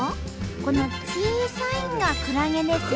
この小さいんがクラゲですよ。